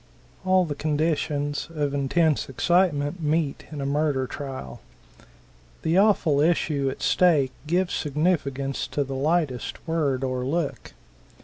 All the conditions of intense excitement meet in a murder trial. The awful issue at stake gives significance to the lightest word or look.